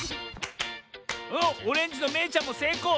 おっオレンジのめいちゃんもせいこう！